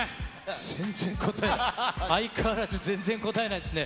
全然答え、相変わらず、ぜんぜん答えないですね。